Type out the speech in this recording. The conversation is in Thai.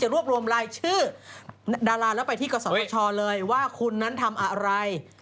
รวบรวมรายชื่อดาราแล้วไปที่กศชเลยว่าคุณนั้นทำอะไร